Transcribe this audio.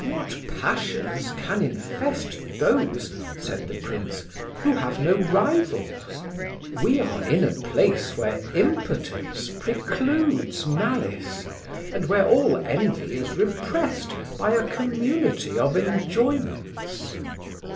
"What passions can infest those," said the Prince, "who have no rivals? We are in a place where impotence precludes malice, and where all envy is repressed by community of enjoyments."